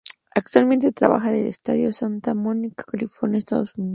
Actualmente trabaja en su estudio de Santa Mónica en California, Estados Unidos.